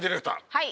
はい。